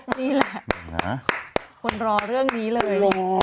นี่แหละคนรอเรื่องนี้เลย